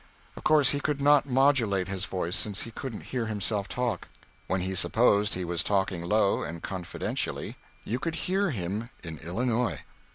Of course he could not modulate his voice, since he couldn't hear himself talk. When he supposed he was talking low and confidentially, you could hear him in Illinois.